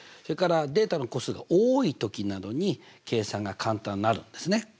それからデータの個数が多い時などに計算が簡単になるんですね。